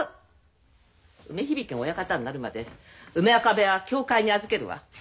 梅響が親方になるまで梅若部屋は協会に預けるわ。